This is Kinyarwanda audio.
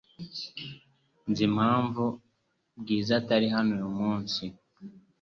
Nzi impamvu Bwiza atari hano uyu munsi .